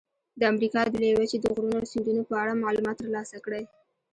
د امریکا د لویې وچې د غرونو او سیندونو په اړه معلومات ترلاسه کړئ.